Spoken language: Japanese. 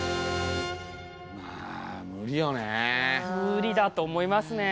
無理だと思いますね。